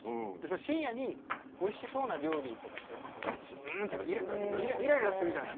深夜においしそうな料理とかってやっぱ「ん！」ってイライラするじゃない。